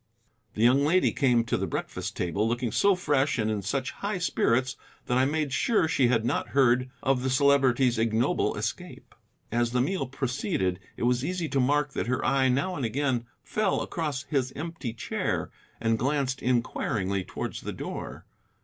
The young lady came to the breakfast table looking so fresh and in such high spirits that I made sure she had not heard of the Celebrity's ignoble escape. As the meal proceeded it was easy to mark that her eye now and again fell across his empty chair, and glanced inquiringly towards the door.